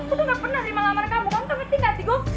aku tuh gak pernah terima lamaran kamu kamu tuh ngerti gak sih gu